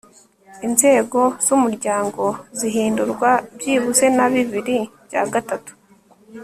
intego z'umuryango zihindurwa byibuze na bibiri bya gatatu